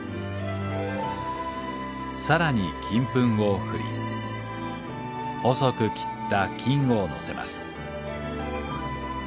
更に金粉を振り細く切った金をのせます。